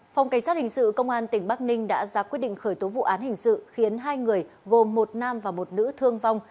phòng cảnh sát hình sự công an tỉnh bắc ninh đã ra quyết định khởi tố vụ án hình sự khiến hai người gồm một nam và một nữ thương vong